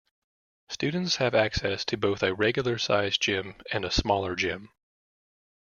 Students have access to both a regular sized gym and a smaller gym.